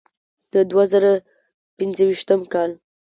د دوه زره پنځويشتم کال